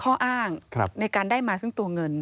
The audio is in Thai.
ข้ออ้างในการได้มาซึ่งตัวเงิน